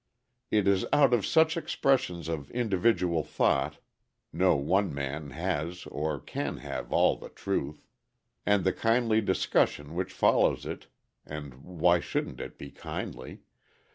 It is out of such expressions of individual thought (no one man has or can have all the truth) and the kindly discussion which follows it (and why shouldn't it be kindly?)